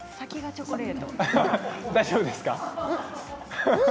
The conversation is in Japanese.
大丈夫ですか？